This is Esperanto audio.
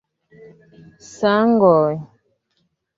Sangoj.